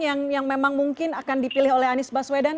yang memang mungkin akan dipilih oleh anies baswedan